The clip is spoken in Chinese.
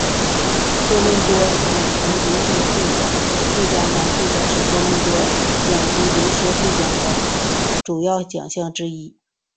多伦多影评人协会奖最佳男配角是多伦多影评人协会奖的主要奖项之一。